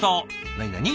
なになに？